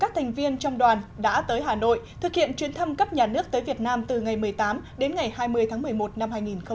trong đoàn đã tới hà nội thực hiện chuyển thăm cấp nhà nước tới việt nam từ ngày một mươi tám đến ngày hai mươi tháng một mươi một năm hai nghìn một mươi tám